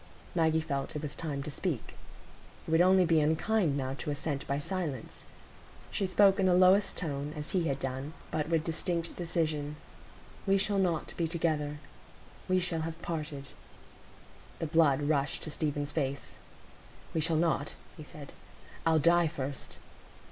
Maggie felt it was time to speak; it would only be unkind now to assent by silence. She spoke in the lowest tone, as he had done, but with distinct decision. "We shall not be together; we shall have parted." The blood rushed to Stephen's face. "We shall not," he said. "I'll die first."